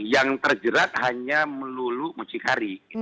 yang terjerat hanya melulu mucikari